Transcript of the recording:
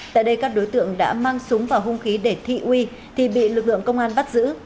tại đây các đối tượng đã mang súng và hung khí để thị uy thì bị lực lượng công an bắt giữ